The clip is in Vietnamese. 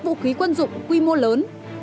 vũ khí quân dụng quy mô lớn